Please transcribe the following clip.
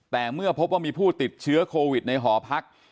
แต่เมื่อพบว่ามีผู้ติดเชื้อโควิดในหอพัก